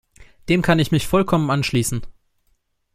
Dem kann ich mich vollkommen anschließen.